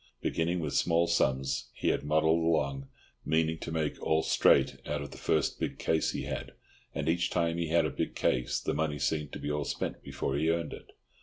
Beginning with small sums, he had muddled along, meaning to make all straight out of the first big case he had; and each time he had a big case the money seemed to be all spent before he earned it.